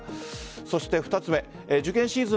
そして２つ目受験シーズン